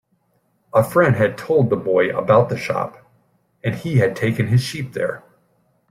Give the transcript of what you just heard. A friend had told the boy about the shop, and he had taken his sheep there.